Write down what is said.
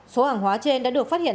số hàng hóa trên đã được phát hiện